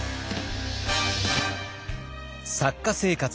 作家生活